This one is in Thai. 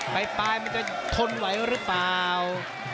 ปลายมันจะทนไหวหรือเปล่า